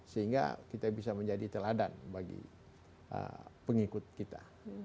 sehingga kita bisa menjadi teladan bagi pengikut kita